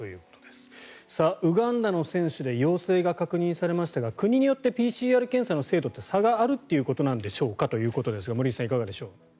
ウガンダの選手で陽性が確認されましたが国によってＰＣＲ検査の精度って差があるということなんでしょうか？ということですが森内さん、いかがでしょう？